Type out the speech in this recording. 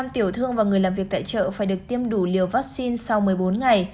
một mươi tiểu thương và người làm việc tại chợ phải được tiêm đủ liều vaccine sau một mươi bốn ngày